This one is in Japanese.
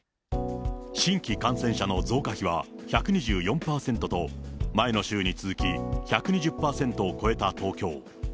新規感染者の増加比は１２４％と、前の週に続き、１２０％を超えた東京。